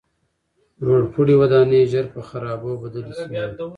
لوړپوړي ودانۍ ژر په خرابو بدلې شوې.